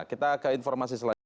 kita ke informasi selanjutnya